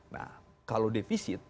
nah kalau defisit